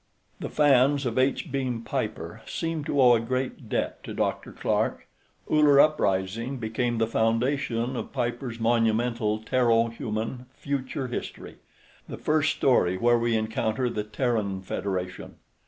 The fans of H. Beam Piper seem to owe a great debt to Dr. Clark. Uller Uprising became the foundation of Piper's monumental Terro Human Future History; the first story where we encounter the Terran Federation.